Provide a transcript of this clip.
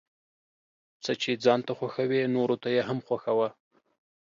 څه چې ځان ته خوښوې نوروته يې هم خوښوه ،